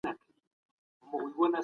سواک وهل سنت دی او ګټه لري.